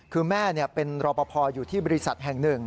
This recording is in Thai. คือแม่เป็นรอปภอยู่ที่บริษัทแห่งหนึ่ง